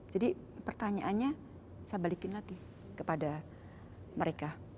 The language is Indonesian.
jadi pertanyaannya saya balikin lagi kepada mereka